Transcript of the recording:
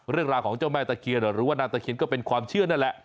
เรื่องราวของเจ้าแม่ตะเคียนหรือว่านางตะเคียนก็เป็นความเชื่อนั่นแหละ